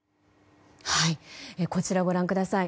こちら、ご覧ください。